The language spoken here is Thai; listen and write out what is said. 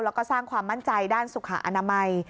แล้วก็สร้างความมั่นใจด้านสุขอนามัย